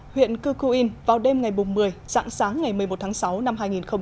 huyện cư cư in vào đêm ngày một mươi sáng sáng ngày một mươi một tháng sáu năm hai nghìn hai mươi ba